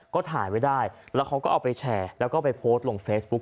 ก็ถ่ายไว้ได้แล้วเขาก็เอาไปแชร์แล้วก็ไปโพสต์ลงเฟซบุ๊ค